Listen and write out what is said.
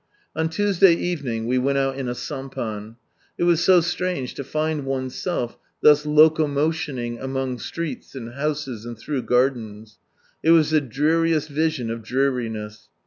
On Tuesday evening we went out in a sampan. It was so strange to tind oneself thus locomoiioning among streets and houses and through gardens. It was the dreariest vision of dreariness.